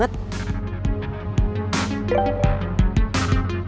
gak ada yang nanya nanya